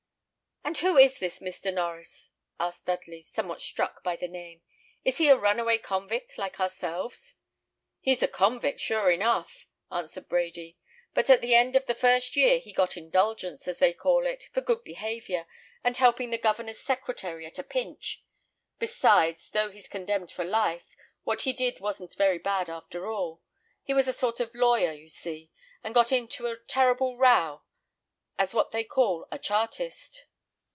"And who is this Mr. Norries?" asked Dudley, somewhat struck by the name. "Is he a runaway convict, like ourselves?" "He's a convict, sure enough," answered Brady; "but at the end of the first year, he got indulgence, as they call it, for good behaviour and helping the governor's secretary at a pinch. Besides, though he's condemned for life, what he did wasn't very bad after all. He was a sort of lawyer, you see, and got into a terrible row, as what they call a Chartist.